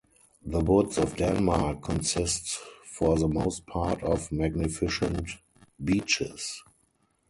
The woods of Denmark consist for the most part of magnificent beeches.